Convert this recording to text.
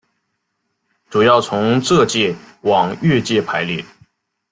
主要从浙界往粤界排列。